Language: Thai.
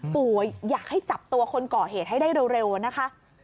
อยากให้จับตัวคนก่อเหตุให้ได้เร็วนะคะ